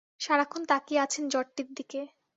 সারাক্ষণ তাকিয়ে আছেন জটটির দিকে।